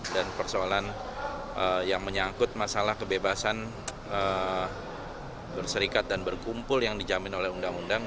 dan persoalan yang menyangkut masalah kebebasan berserikat dan berkumpul yang dijamin oleh undang undang